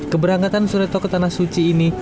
keberangkatan sureto ke tanah suci ini